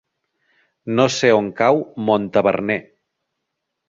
No sé on cau Montaverner.